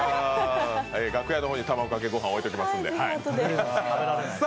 楽屋の方に卵かけご飯置いておきますので。